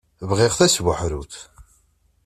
Bɣiɣ tasbuḥrut.